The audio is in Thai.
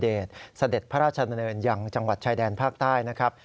อดุญเดชสเด็ดพระราชนตระเนินอย่างจังหวัดชายแดนภาคใต้นะครับ